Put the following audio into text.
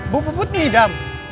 bu put nginidam